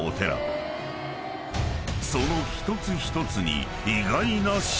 ［その一つ一つに］